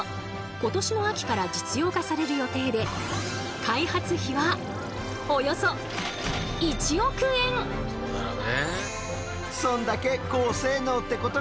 今年の秋から実用化される予定で開発費はそうだろうね。